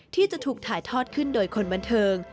ที่จะถูกถ่ายทอดขึ้นโดยคนบันเทิง